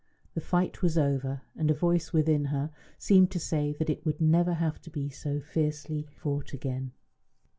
The fight was over, and a voice within her seemed to say that it would never have to be so fiercely fought again.